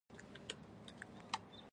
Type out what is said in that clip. د احمد او علي غم او ښادي د یوه نغري دي.